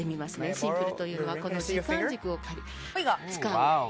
シンプルというのはこの時間軸を使う。